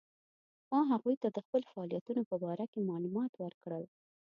ما هغوی ته د خپلو فعالیتونو په باره کې معلومات ورکړل.